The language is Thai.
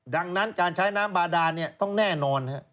ดังนั้นการใช้น้ำบาดานต้องแน่นอน